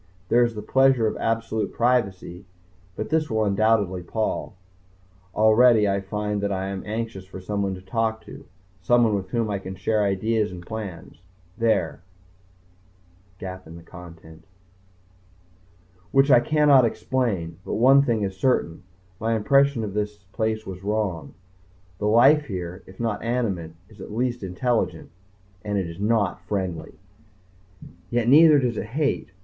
There is the pleasure of absolute privacy. But this will undoubtedly pall. Already I find that I am anxious for someone to talk to, someone with whom I can share ideas and plans. There ...... which I cannot explain. But one thing is certain. My first impression of this place was wrong. The life here, if not animate, is at least intelligent and it is not friendly. Yet neither does it hate.